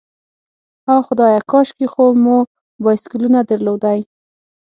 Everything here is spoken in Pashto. آه خدایه، کاشکې خو مو بایسکلونه درلودای.